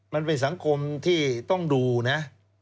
มันเป็นสังคมที่ต้องดูนะ